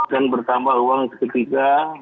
akan bertambah uang ketika